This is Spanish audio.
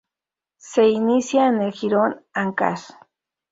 Se inicia en el jirón Áncash.